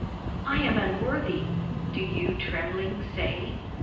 " I am unworthy !" do you, trembling, say?